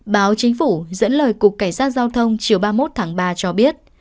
báo chính phủ dẫn lời cục cảnh sát giao thông chiều ba mươi một tháng ba cho biết